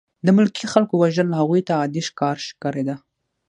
د ملکي خلکو وژل هغوی ته عادي کار ښکارېده